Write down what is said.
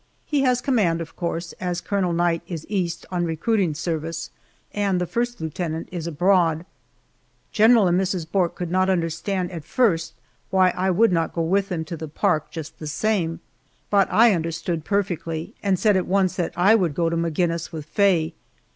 He has command, of course, as Colonel Knight is East on recruiting service, and the first lieutenant is abroad. General and Mrs. Bourke could not understand at first why I would not go with them to the park, just the same, but I understood perfectly, and said at once that I would go to Maginnis with Faye.